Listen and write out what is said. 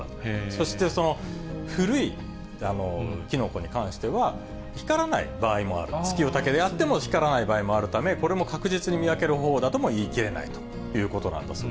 そして、その古いキノコに関しては、光らない場合もある、ツキヨタケであっても、光らないものもあるため、これも、確実に見分ける方法とも言いきれないということなんだそ